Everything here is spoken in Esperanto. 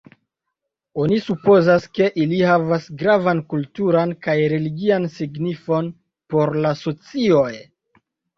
Oni supozas, ke ili havis gravan kulturan kaj religian signifon por la socioj.